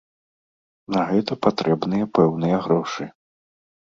На гэта патрэбныя пэўныя грошы.